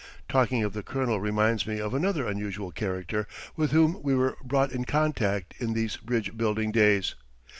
Talking of the Colonel reminds me of another unusual character with whom we were brought in contact in these bridge building days.